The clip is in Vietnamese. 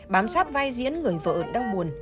bám sát vai diễn người vợ đau buồn